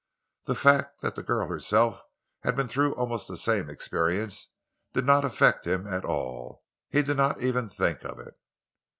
The fact that the girl herself had been through almost the same experience did not affect him at all—he did not even think of it.